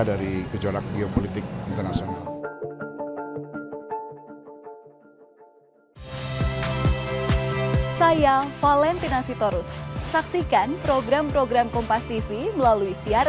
dari kecolak geopolitik internasional